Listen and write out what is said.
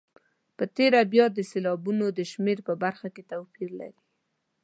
په تېره بیا د سېلابونو د شمېر په برخه کې توپیر لري.